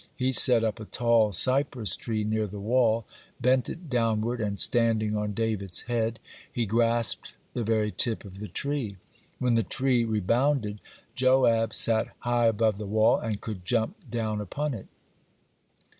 He set up a tall cypress tree near the wall, bent it downward, and standing on David's head, he grasped the very tip of the tree. When the tree rebounded, Joab sat high above the wall, and could jump down upon it.